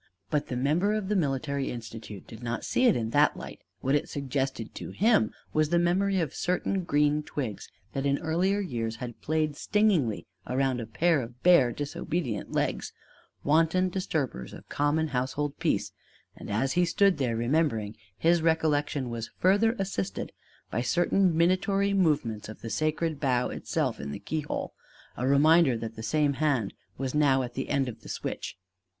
But the member of the military institute did not see it in that light; what it suggested to him was the memory of certain green twigs that in earlier years had played stingingly around a pair of bare disobedient legs wanton disturbers of common household peace; and as he stood there remembering, his recollection was further assisted by certain minatory movements of the sacred bough itself in the keyhole a reminder that the same hand was now at the end of the switch.